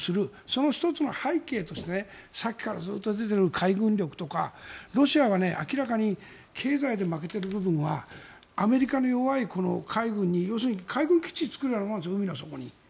その１つの背景としてさっきからずっと出ている海軍力とかロシアが明らかに経済で負けている部分はアメリカの弱い要するに海の底に海軍基地を作るようなものです。